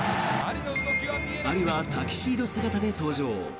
アリはタキシード姿で登場。